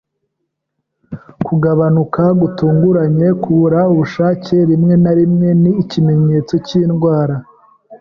Kugabanuka gutunguranye kubura ubushake rimwe na rimwe ni ikimenyetso cyindwara.